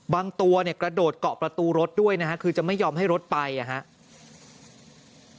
ตัวเนี่ยกระโดดเกาะประตูรถด้วยนะฮะคือจะไม่ยอมให้รถไปนะครับ